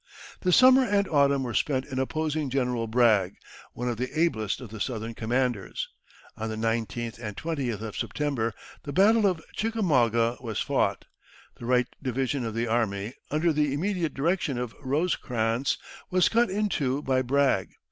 The summer and autumn were spent in opposing General Bragg, one of the ablest of the Southern commanders. On the 19th and 20th of September the battle of Chickamauga was fought. The right division of the army, under the immediate direction of Rosecrans, was cut in two by Bragg.